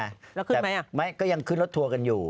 แล้วขึ้นไหมอ่ะไม่ก็ยังขึ้นรถทัวร์กันอยู่